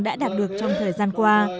đã đạt được trong thời gian qua